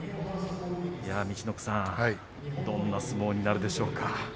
陸奥さん、どんな相撲になるでしょうか。